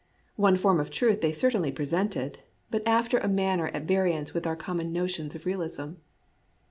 One form of truth they certainly pre sented, but after a manner at variance with our common notions of realism.